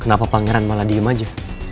kenapa pangeran malah diem aja